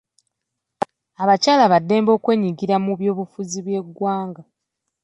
Abakyala ba ddembe okwenyigira mu byobufuzi by'eggwanga.